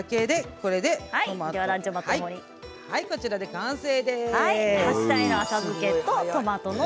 これで完成です。